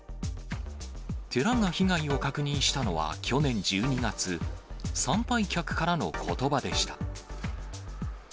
寺が被害を確認したのは去年１２月、参拝客からのことばでした。